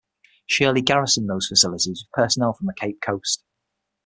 Shirley garrisoned those facilities with personnel from Cape Coast.